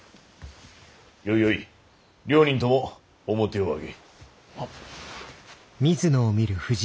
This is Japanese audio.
よいよい両人とも面を上げ。